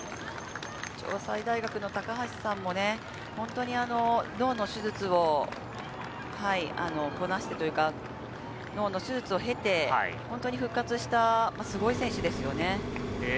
城西大学の高橋さんも本当に脳の手術をこなしてというか、脳の手術を経て復活したすごい選手ですよね。